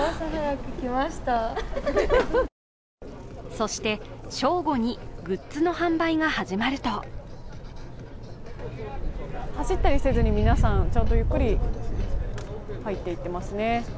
そして正午にグッズの販売が始まると走ったりせずに、皆さん、ちゃんとゆっくり入っていきますね。